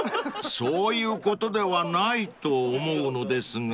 ［そういうことではないと思うのですが］